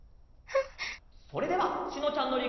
それではしのちゃんのリクエストで。